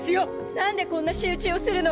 なんでこんな仕打ちをするの？